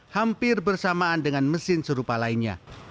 hampir bersamaan dengan mesin serupa lainnya